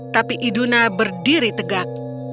tapi iduna berdiri tegak